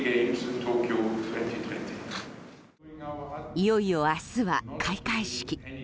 いよいよ、明日は開会式。